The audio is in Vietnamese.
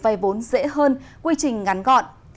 vay vốn dễ hơn quy trình ngắn gọn